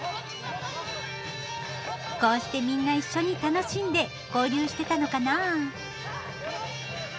こうしてみんな一緒に楽しんで交流してたのかなあ。